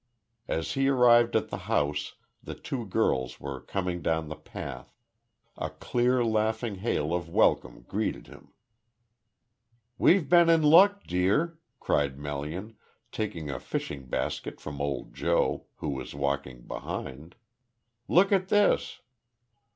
As he arrived at the house, the two girls were coming down the path. A clear, laughing hail of welcome greeted him. "We've been in luck, dear," cried Melian, taking a fishing basket from old Joe, who was walking behind. "Look at this."